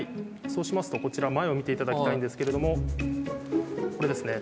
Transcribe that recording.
そうしますとこちら前を見て頂きたいんですけれどもこれですね。